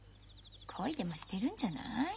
恋でもしてるんじゃない？